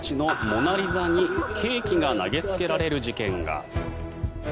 「モナ・リザ」にケーキが投げつけられる事件が。